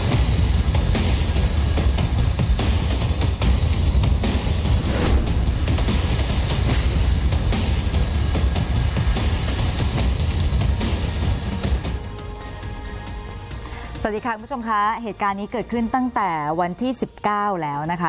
สวัสดีค่ะคุณผู้ชมค่ะเหตุการณ์นี้เกิดขึ้นตั้งแต่วันที่๑๙แล้วนะคะ